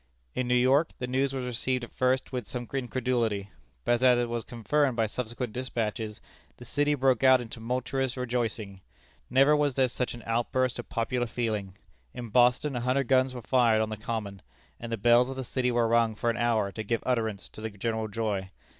In New York the news was received at first with some incredulity. But as it was confirmed by subsequent despatches, the city broke out into tumultuous rejoicing. Never was there such an outburst of popular feeling. In Boston a hundred guns were fired on the Common, and the bells of the city were rung for an hour to give utterance to the general joy.